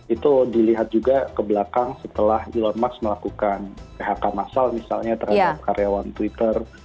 itu dilihat juga ke belakang setelah elon musk melakukan phk masal misalnya terhadap karyawan twitter